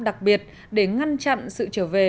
đặc biệt để ngăn chặn sự trở về